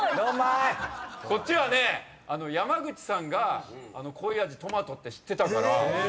こっちはね山口さんが「恋味」トマトって知ってたから。